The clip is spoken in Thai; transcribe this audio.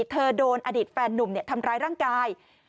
โดนอดีตแฟนนุ่มทำร้ายร่างกาย